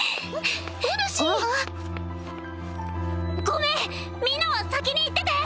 ごめんみんなは先に行ってて！